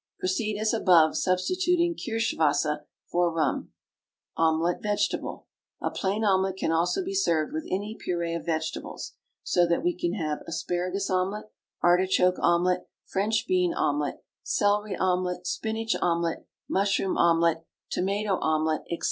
Proceed as above, substituting Kirschenwasser for Rum. OMELET, VEGETABLE. A plain omelet can also be served with any puree of vegetables, so that we can have Asparagus Omelet, Artichoke Omelet, French Bean Omelet, Celery Omelet, Spinach Omelet, Mushroom Omelet, Tomato Omelet, &c.